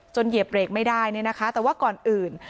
จนเหยียบเบรกไม่ได้แต่ว่าก่อนอื่น